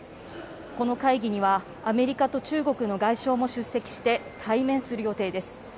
この会議にはアメリカと中国の外相も出席して対面する予定です。